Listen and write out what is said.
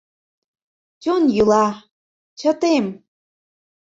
Чон йӱла — чытем